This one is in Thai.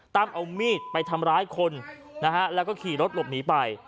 เอามีดไปทำร้ายคนนะฮะแล้วก็ขี่รถหลบหนีไป